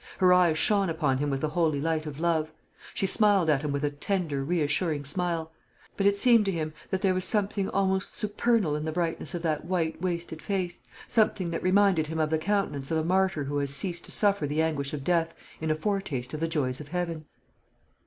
Her eyes shone upon him with the holy light of love. She smiled at him with a tender, reassuring smile; but it seemed to him that there was something almost supernal in the brightness of that white, wasted face; something that reminded him of the countenance of a martyr who has ceased to suffer the anguish of death in a foretaste of the joys of Heaven.